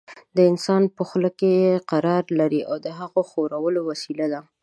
د انسان په خوله کې قرار لري او د هغه د ښورولو وسیله ده.